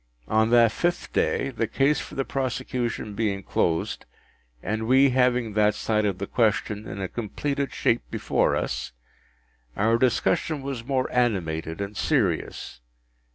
On that fifth day, the case for the prosecution being closed, and we having that side of the question in a completed shape before us, our discussion was more animated and serious.